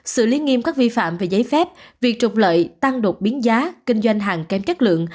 xử lý nghiêm các vi phạm về giấy phép việc trục lợi tăng đột biến giá kinh doanh hàng kém chất lượng